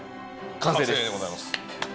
完成でございます